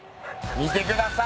見てください。